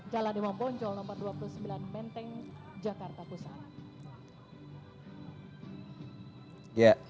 jalan dewa poncol nomor dua puluh sembilan menteng jakarta pusat